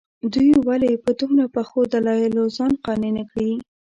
دوی ولې په دومره پخو دلایلو ځان قانع نه کړي.